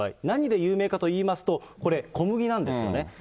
何で有名かといいますと、これ、小麦なんですよね。